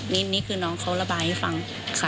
นี่คือน้องเขาระบายให้ฟังค่ะ